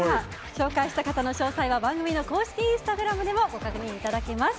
紹介した方の詳細は番組の公式インスタグラムでもご確認いただけます。